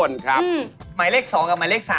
ดีมาก